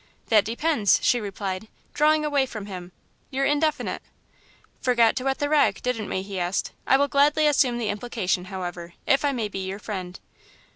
"That depends," she replied, drawing away from him; "you're indefinite." "Forgot to wet the rag, didn't we?" he asked. "I will gladly assume the implication, however, if I may be your friend."